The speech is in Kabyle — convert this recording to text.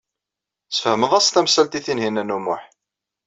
Tesfehmeḍ-as tamsalt i Tinhinan u Muḥ.